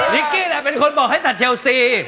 กี้แหละเป็นคนบอกให้ตัดเชลซี